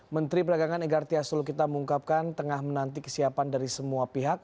menteri perdagangan egartia sulukita mengungkapkan tengah menanti kesiapan dari semua pihak